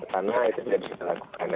karena itu tidak bisa dilakukan